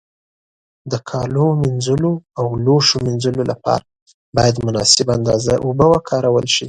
د کالي مینځلو او لوښو مینځلو له پاره باید مناسبه اندازه اوبو وکارول شي.